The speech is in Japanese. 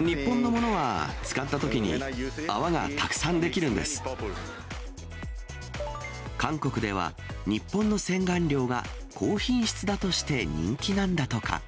日本のものは使ったときに泡韓国では、日本の洗顔料が高品質だとして人気なんだとか。